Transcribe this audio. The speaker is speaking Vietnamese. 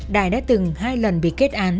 đài đã từng hai lần bị kết án